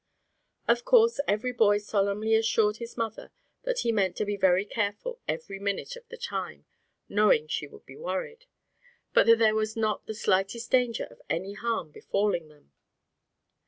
Of course every boy solemnly assured his mother that he meant to be very careful every minute of the time, knowing she would be worried; but that there was not the slightest danger of any harm befalling them.